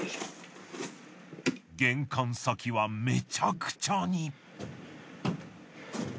玄関先はめちゃくちゃに。